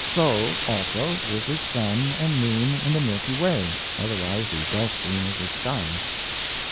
So, also, with the Sun and Moon and the Milky Way, otherwise the Gulf Stream of the Skies.